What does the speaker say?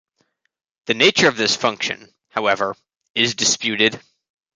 The nature of this function, however, is disputed.